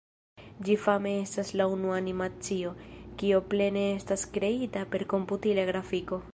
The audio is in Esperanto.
Ĝi fame estas la unua animacio, kio plene estas kreita per komputila grafiko.